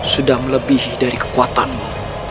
sudah melebihi dari kekuatanmu